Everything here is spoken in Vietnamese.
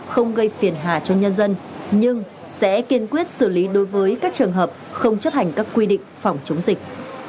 không gây phiền hà cho nhân dân nhưng sẽ kiên quyết xử lý đối với các trường hợp không chấp hành các quy định phòng chống dịch